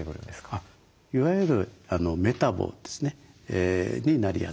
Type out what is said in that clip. いわゆるメタボですねになりやすい。